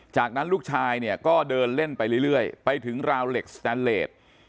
จากนั้นลูกชายเนี่ยก็เดินเล่นไปเรื่อยไปถึงราวเหล็กสแตนเลส